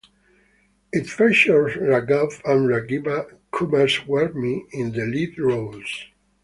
It features Raghav and Radhika Kumaraswamy in the lead roles.